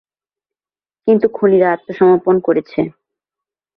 কিন্তু খুনিরা আত্মসমর্পণ করেছে।